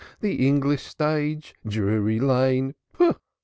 The English stage Drury Lane pooh!